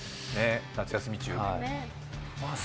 夏休み中。